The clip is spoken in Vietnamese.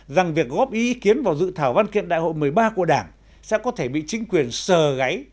rằng việc góp ý ý kiến vào dự thảo văn kiện đại hội một mươi ba của đảng sẽ có thể bị chính quyền sờ gáy